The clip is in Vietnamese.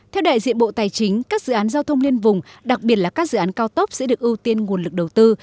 theo đại diện bộ tài chính các dự án giao thông liên vùng đặc biệt là các dự án cao tốc sẽ được ưu tiên nguồn lực đầu tư